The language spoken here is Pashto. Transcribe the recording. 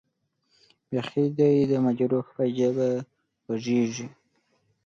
بېخي دې د مجروح به ژبه غږېږې.